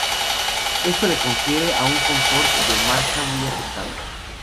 Esto le confiere un confort de marcha muy aceptable.